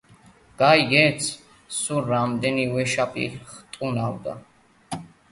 გაიგეთ, სულ რამდენი ვეშაპი ხტუნავდა.